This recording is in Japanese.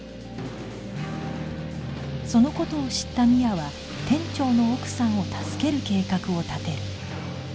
その事を知った深愛は店長の奥さんを助ける計画を立てる